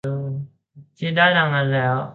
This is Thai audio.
คิดได้ดังนั้นแล้ว